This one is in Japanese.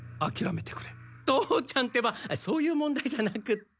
父ちゃんってばそういう問題じゃなくって。